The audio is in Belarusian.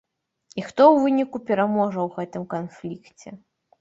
І хто ў выніку пераможа ў гэтым канфлікце?